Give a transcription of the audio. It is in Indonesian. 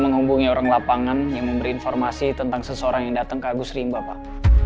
menghubungi orang lapangan yang memberi informasi tentang seseorang yang datang ke agus rimba pak